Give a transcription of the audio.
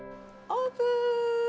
オープン。